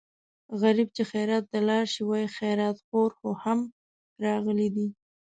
غریب چې خیرات ته لاړ شي وايي خیراتخور خو هم راغلی دی.